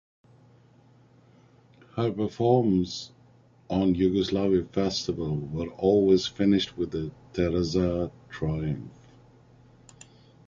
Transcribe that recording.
Her performs on Yugoslav festivals were always finished with Tereza's triumph.